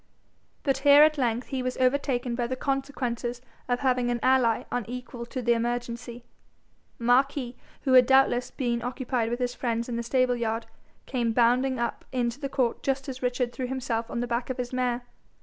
But here at length he was overtaken by the consequences of having an ally unequal to the emergency. Marquis, who had doubtless been occupied with his friends in the stable yard, came bounding up into the court just as Richard threw himself on the back of his mare.